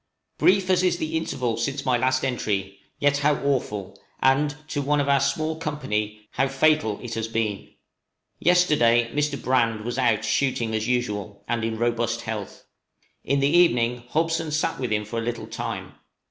_ Brief as is the interval since my last entry, yet how awful, and, to one of our small company, how fatal it has been! Yesterday Mr. Brand was out shooting as usual, and in robust health; in the evening Hobson sat with him for a little time.